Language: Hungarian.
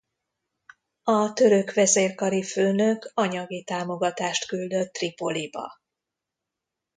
A török vezérkari főnök anyagi támogatást küldött Tripoliba.